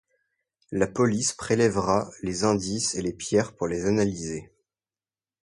La police prélèvera les indices et les pierres pour les analyser.